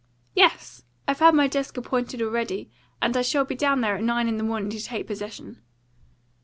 "Yes. I've had my desk appointed already, and I shall be down there at nine in the morning to take possession."